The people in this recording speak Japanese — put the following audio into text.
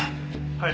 はい。